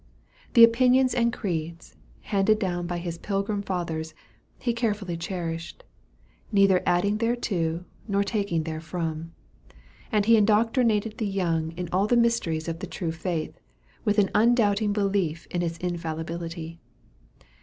The opinions and creeds, handed down by his Pilgrim Fathers, he carefully cherished, neither adding thereto, nor taking therefrom; and he indoctrinated the young in all the mysteries of the true faith, with an undoubting belief in its infallibility.